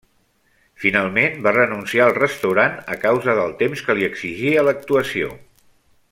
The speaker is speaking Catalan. Finalment va renunciar al restaurant a causa del temps que li exigia l'actuació.